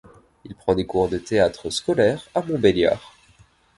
Il prend des cours de théâtre scolaire à Montbéliard.